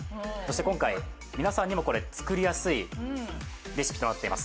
今回、皆さんにも作りやすいレシピとなっています。